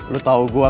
lo tau gue kan